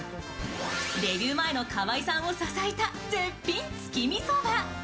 デビュー前の河合さんを支えた絶品月見そば。